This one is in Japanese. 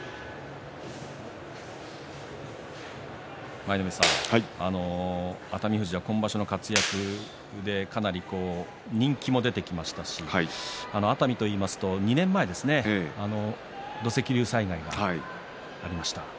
舞の海さん、熱海富士は今場所の活躍でかなり人気も出てきましたし熱海といいますと２年前土石流災害がありました。